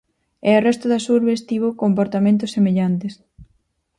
E o resto das urbes tivo comportamentos semellantes.